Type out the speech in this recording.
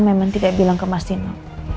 memang tidak bilang ke mas tino